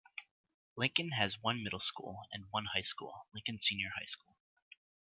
Lincoln has one Middle School, and one high school, Lincoln Senior High School.